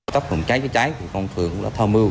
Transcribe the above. tắp phòng cháy chữa cháy phòng phường đã tham mưu